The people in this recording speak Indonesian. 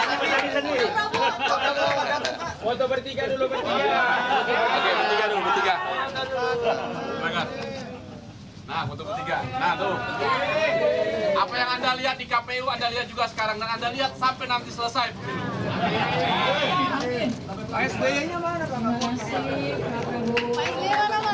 apa yang anda lihat di kpu anda lihat juga sekarang dan anda lihat sampai nanti selesai